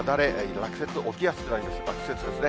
落雪ですね。